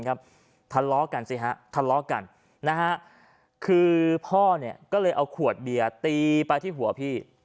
ครับทะเลาะกันเสียทะเลาะกันนะคะคือพ่อเนี่ยก็เลยเอาขวดเบียตีไปที่หัวพี่